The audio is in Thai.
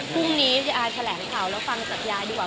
พรุ่งนี้แถลงข่าวแล้วฟังจากยายดีกว่า